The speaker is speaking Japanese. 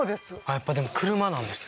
やっぱでも車なんですね